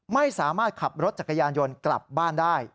ไม่สามารถขับรถจักรยานยนต์กลับบ้านได้